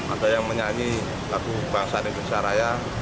ada yang menyanyi lagu bangsa indonesia raya